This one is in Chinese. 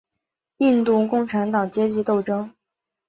印度共产党阶级斗争。